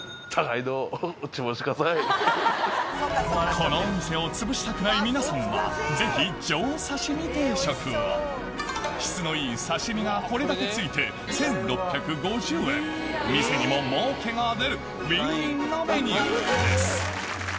このお店をつぶしたくない皆さんはぜひ上刺身定食を質のいい刺身がこれだけ付いて店にももうけが出るウィンウィンのメニューです